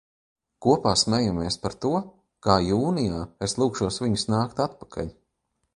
Kopā smejamies par to, kā jūnijā es lūgšos viņus nākt atpakaļ.